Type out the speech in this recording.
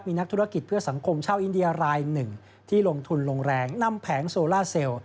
มีนักธุรกิจเพื่อสังคมชาวอินเดียรายหนึ่งที่ลงทุนลงแรงนำแผงโซล่าเซลล์